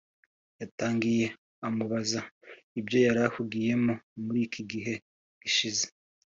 yatangiye amubaza ibyo yari ahugiyemo muri iki gihe gishize